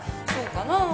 そうかな？